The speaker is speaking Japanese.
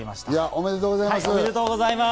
おめでとうございます！